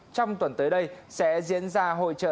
trong tuần tới đây sẽ diễn ra hội trợ